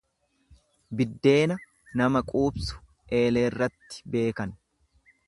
Biddeena nama quubsu eeleerratti beekan.